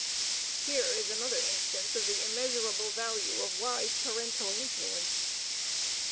Here is another instance of the immeasurable value of wise parental influence.